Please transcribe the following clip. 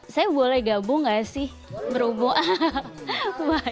saya boleh gabung gak sih bromo